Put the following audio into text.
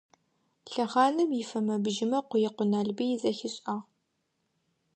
Лъэхъаным ифэмэ-бжьымэ Къуекъо Налбый зэхишӏагъ.